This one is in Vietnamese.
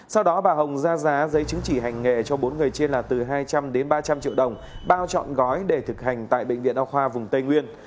sau đó bà hồng ra giá giấy chứng chỉ hành nghề cho bốn người trên là từ hai trăm linh đến ba trăm linh triệu đồng bao chọn gói để thực hành tại bệnh viện đao khoa vùng tây nguyên